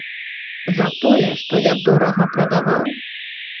За тое, што я дорага прадаваў?